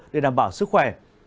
để đảm bảo sức khỏe